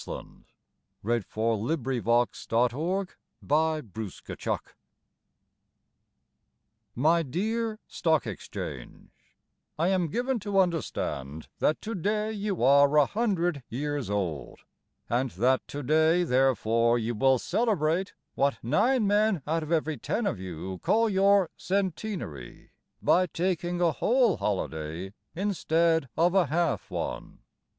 Go in peace. TO THE STOCK EXCHANGE (On its Centenary) My dear Stock Exchange, I am given to understand That to day you are a hundred years old, And that to day therefore You will celebrate What nine men out of every ten of you Call your "Cen_teen_ary" By taking a whole holiday instead of a half one.